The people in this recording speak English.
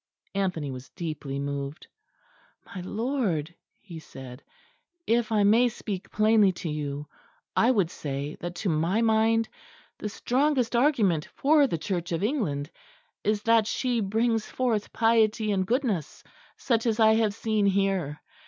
Anthony was deeply moved. "My lord," he said, "if I may speak plainly to you, I would say that to my mind the strongest argument for the Church of England is that she brings forth piety and goodness such as I have seen here.